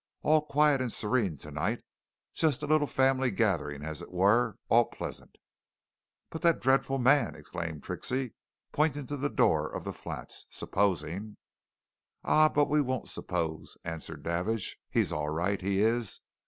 All quiet and serene tonight just a little family gathering, as it were all pleasant!" "But that dreadful man!" exclaimed Trixie, pointing to the door of the flats. "Supposing " "Ah, but we won't suppose," answered Davidge. "He's all right, he is.